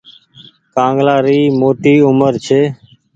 ڪآنگلآ ري اومر موٽي ڇي۔